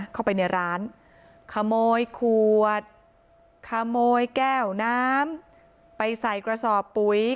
เข้าไปในร้านขโมยขวดขโมยแก้วน้ำไปใส่กระสอบปุ๋ย